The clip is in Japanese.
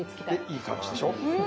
いい感じでしょ？